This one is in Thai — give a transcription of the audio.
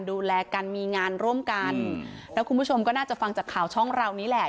ดูแลกันมีงานร่วมกันแล้วคุณผู้ชมก็น่าจะฟังจากข่าวช่องเรานี้แหละ